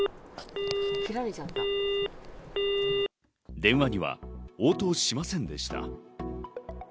電話には応答しませんでした。